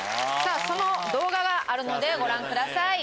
その動画があるのでご覧ください。